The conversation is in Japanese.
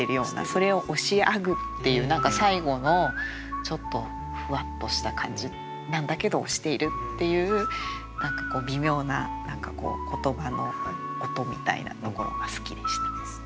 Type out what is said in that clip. それを「押し上ぐ」っていう何か最後のちょっとふわっとした感じなんだけど押しているっていう何か微妙な言葉の音みたいなところが好きでした。